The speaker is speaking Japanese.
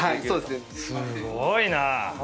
すごいな！